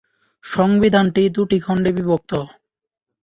সংবিধানটি দুটি খণ্ডে বিভক্ত।